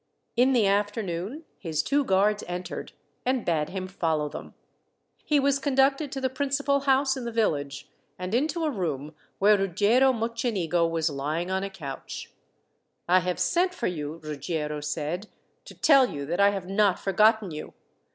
In the afternoon his two guards entered, and bade him follow them. He was conducted to the principal house in the village, and into a room where Ruggiero Mocenigo was lying on a couch. "I have sent for you," Ruggiero said, "to tell you that I have not forgotten you.